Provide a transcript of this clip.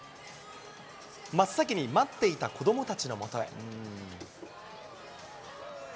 真っ先に待っていた子どもたちのもとへ。